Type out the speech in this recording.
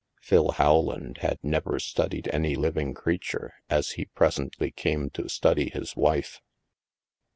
Phil Howland had never studied any living creature as he presently came to study his wife.